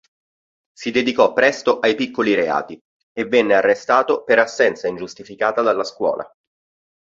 Si dedicò presto ai piccoli reati e venne arrestato per assenza ingiustificata dalla scuola.